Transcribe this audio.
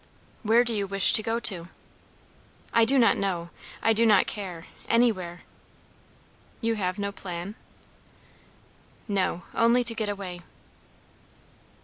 "Where do you wish to go?" "I do not know. I do not care. Anywhere." "You have no plan?" "No; only to get away."